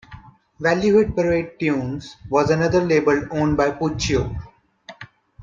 Value Hit Parade Tunes was another label owned by Puccio.